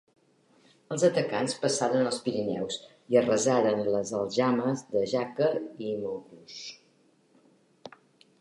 Els atacants passaren els Pirineus i arrasaren les aljames de Jaca i Montclús.